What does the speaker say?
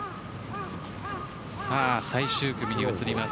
最終組に移ります。